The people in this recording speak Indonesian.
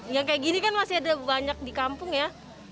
yang kayak gini kan masih ada banyak di kampung ya